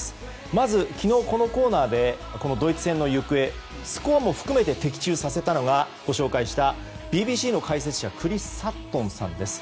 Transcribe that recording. まず、昨日このコーナーでドイツ戦の行方スコアも含めて的中させたのがご紹介したＢＢＣの解説者クリス・サットンさんです。